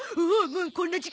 もうこんな時間！